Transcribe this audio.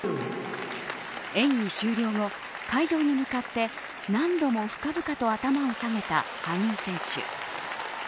演技終了後、会場に向かって何度も深々と頭を下げた羽生選手。